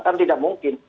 kan tidak mungkin